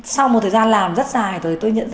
sau một thời gian làm rất dài tôi nhận ra một lý do